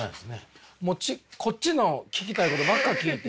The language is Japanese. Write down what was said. もうこっちの聞きたいことばっか聞いて。